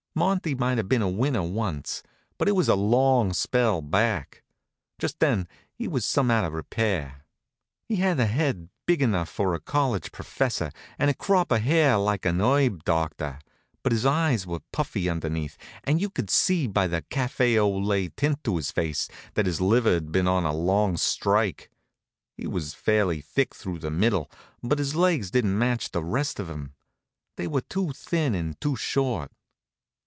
Monty might have been a winner once, but it was a long spell back. Just then he was some out of repair. He had a head big enough for a college professor, and a crop of hair like an herb doctor, but his eyes were puffy underneath, and you could see by the café au lait tint to his face that his liver'd been on a long strike. He was fairly thick through the middle, but his legs didn't match the rest of him. They were too thin and too short.